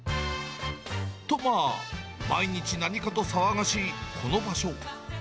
とまあ、毎日何かと騒がしい、この場所。